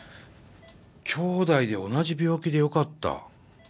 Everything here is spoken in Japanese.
兄弟で同じ病気でよかった。